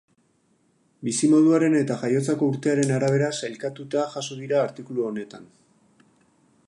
Bizimoduaren eta jaiotzako urtearen arabera sailkatuta jaso dira artikulu honetan.